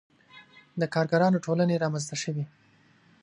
• د کارګرانو ټولنې رامنځته شوې.